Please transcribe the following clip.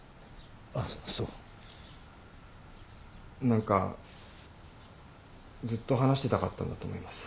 何かずっと話してたかったんだと思います。